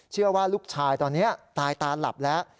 เชื่อว่าลูกชายตอนนี้ตายตาหลับแล้ว